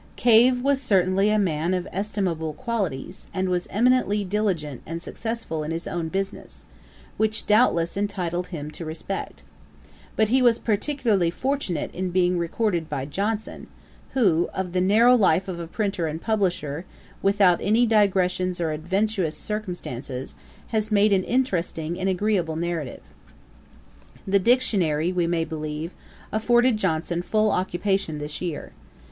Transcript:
Cave was certainly a man of estimable qualities, and was eminently diligent and successful in his own business, which, doubtless, entitled him to respect. But he was peculiarly fortunate in being recorded by Johnson, who, of the narrow life of a printer and publisher, without any digressions or adventitious circumstances, has made an interesting and agreeable narrative. The Dictionary, we may believe, afforded Johnson full occupation this year.